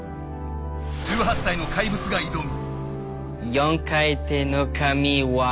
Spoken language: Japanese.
１８歳の怪物が挑む。